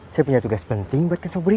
saya punya tugas penting buat kang sobri